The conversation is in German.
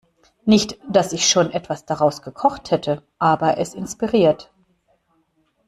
Nicht, dass ich schon etwas daraus gekocht hätte, aber es inspiriert.